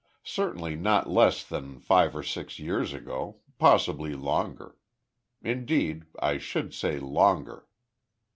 Certainly not less than five or six years ago, possibly longer; indeed, I should say longer."